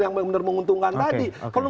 yang benar benar menguntungkan tadi perlu